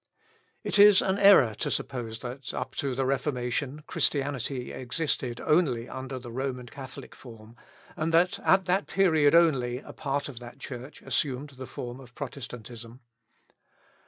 It is an error to suppose that, up to the Reformation, Christianity existed only under the Roman Catholic form, and that, at that period only, a part of that church assumed the form of Protestantism.